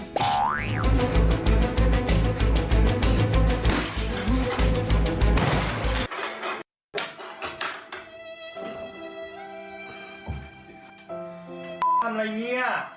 ทำอะไรเนี่ย